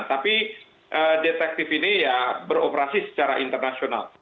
tapi detektif ini ya beroperasi secara internasional